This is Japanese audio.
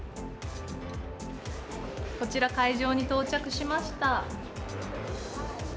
こちら会場に到着しました。